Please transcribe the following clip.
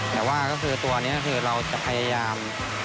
มันก็คือตัวนี้คือเราจะพยายาม